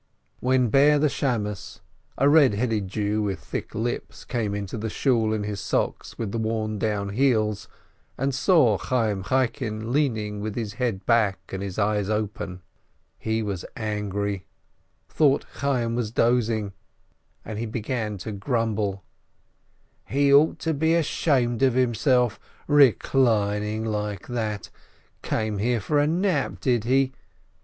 When Bare the beadle, a red haired Jew with thick lips, came into the Shool in his socks with the worn down heels, and saw Chayyim Chaikin leaning with his head back, and his eyes open, he was angry, thought Chayyim was dozing, and he began to grumble : "He ought to be ashamed of himself — reclining like that — came here for a nap, did he